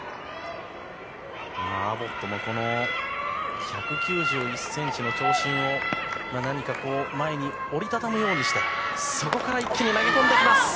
アボットも１９１ｃｍの長身を何か前に折り畳むようにしてそこから一気に投げ込んできます。